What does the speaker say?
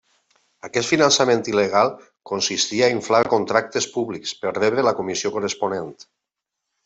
Aquest finançament il·legal consistia a inflar contractes públics per rebre la comissió corresponent.